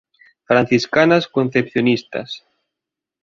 Franciscanas Concepcionistas.